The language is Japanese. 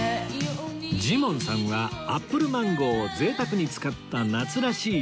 ジモンさんはアップルマンゴーを贅沢に使った夏らしいひと品